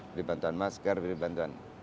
beri bantuan masker beri bantuan